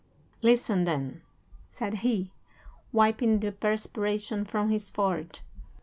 "'Listen, then,' said he, wiping the perspiration from his forehead."